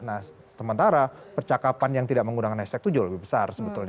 nah sementara percakapan yang tidak menggunakan hashtag itu jauh lebih besar sebetulnya